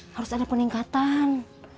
harus ada peningkatan